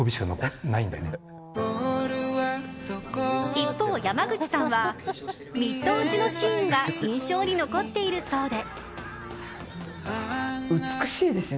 一方、山口さんはミット打ちのシーンが印象に残っているそうで。